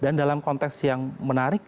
dan dalam konteks yang menarik